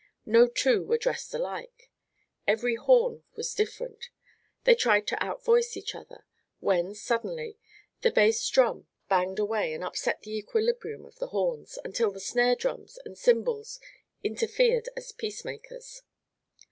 No two were dressed alike. Every horn was different; they tried to outvoice each other, when, suddenly, the bass drum banged away and upset the equilibrium of the horns, until the snare drums and cymbals interfered as peacemakers.